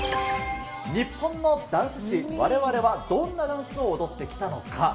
日本のダンス史、われわれは、どんなダンスを踊ってきたのか？